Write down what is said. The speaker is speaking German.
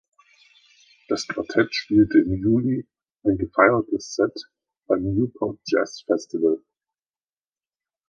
Das Quartett spielte im Juli ein gefeiertes Set beim Newport Jazz Festival.